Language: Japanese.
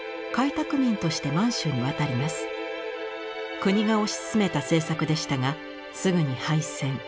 国が推し進めた政策でしたがすぐに敗戦。